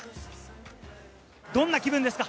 どんな気分ですか？